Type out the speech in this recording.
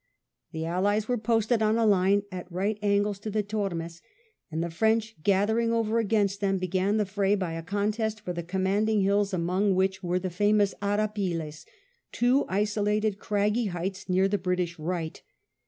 The Allies were posted on a line at right angles to the Tormes, and the French gathering over against them began the fray by a contest for the com manding hills, among which were the famous Arapiles, two isolated craggy heights near the British right.